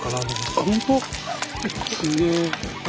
すげえ。